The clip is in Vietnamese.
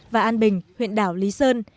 và an bình huyện đảo lý sơn